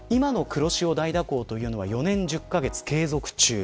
今の黒潮大蛇行というのは４年１０カ月継続中。